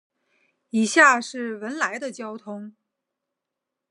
以下是文莱的交通